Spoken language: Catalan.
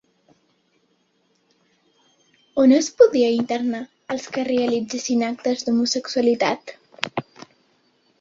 On es podia internar als que realitzessin actes d'homosexualitat?